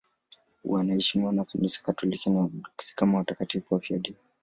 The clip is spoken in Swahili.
Wanaheshimiwa na Kanisa Katoliki na Waorthodoksi kama watakatifu wafiadini.